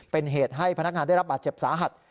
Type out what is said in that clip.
เป็นเหตุให้พนักงานได้รับบาดเจ็บสาหัส